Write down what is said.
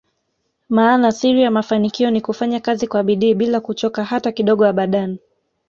Maana Siri ya mafanikio Ni kufanya Kazi kwa bidii bila kuchoka hata kidogo abadani